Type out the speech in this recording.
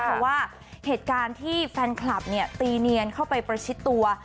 เพราะว่าเหตุการณ์ที่แฟนคลับเนี่ยตีเนียนเข้าไปประชิดตัว